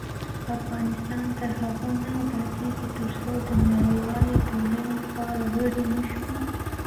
افغانستان تر هغو نه ابادیږي، ترڅو د نړیوالې ټولنې فعال غړي نشو.